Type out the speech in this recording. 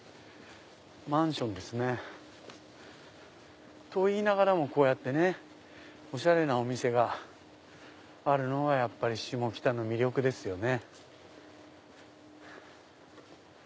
マンションですね。と言いながらもこうやっておしゃれなお店があるのがやっぱりシモキタの魅力ですよね。